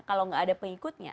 kalau tidak ada pengikutnya